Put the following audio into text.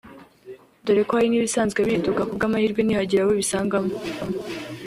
dore ko hari n’ibisanzwe biriduka kubw’amahirwe ntihagire abo bisangamo